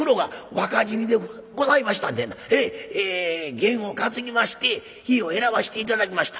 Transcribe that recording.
験を担ぎまして日を選ばして頂きました。